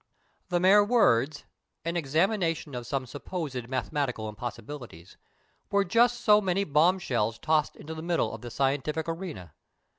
The mere words, "An Examination of Some Supposed Mathematical Impossibilities," were just so many bomb shells tossed into the middle of the scientific arena.